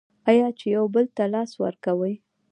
آیا چې یو بل ته لاس ورکوي؟